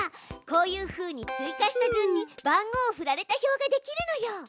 こういうふうに追加した順に番号をふられた表ができるのよ。